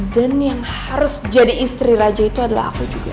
dan yang harus jadi istri raja itu adalah aku juga